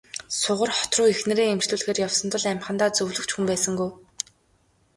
Сугар хот руу эхнэрээ эмчлүүлэхээр явсан тул амьхандаа зөвлөх ч хүн байсангүй.